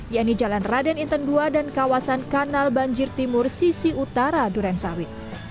yaitu jalan raden inten dua dan kawasan kanal banjir timur sisi utara durensawit